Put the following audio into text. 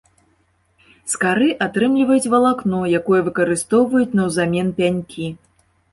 З кары атрымліваюць валакно, якое выкарыстоўваюць наўзамен пянькі.